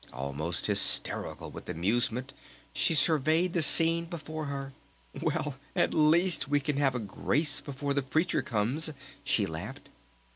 Almost hysterical with amusement she surveyed the scene before her. "Well, at least we can have 'grace' before the Preacher comes!" she laughed.